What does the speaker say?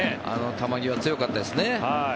球際、強かったですね。